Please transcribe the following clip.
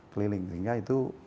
keliling sehingga itu